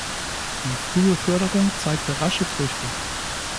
Die frühe Förderung zeigte rasche Früchte.